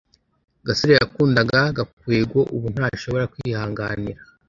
gasore yakundaga gakwego. ubu ntashobora kwihanganira